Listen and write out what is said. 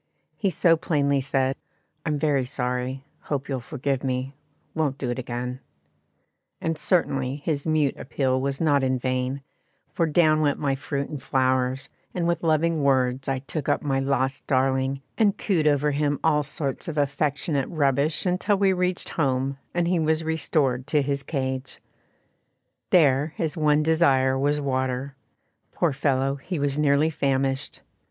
He so plainly said, "I'm very sorry hope you'll forgive me; won't do it again"; and certainly his mute appeal was not in vain, for down went my fruit and flowers, and with loving words I took up my lost darling, and cooed over him all sorts of affectionate rubbish until we reached home and he was restored to his cage. There his one desire was water. Poor fellow! he was nearly famished.